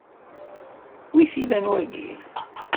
Wi t-ilan wagi?